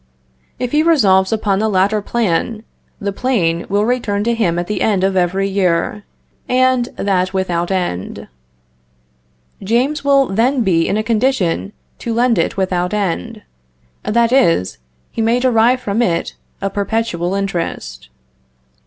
If he resolves upon the latter plan, the plane will return to him at the end of every year, and that without end. James will then be in a condition to lend it without end; that is, he may derive from it a perpetual interest.